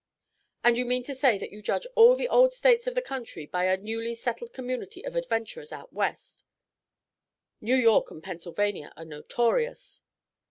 "And you mean to say that you judge all the old States of the country by a newly settled community of adventurers out West?" "New York and Pennsylvania are notorious."